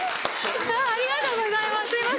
ありがとうございます。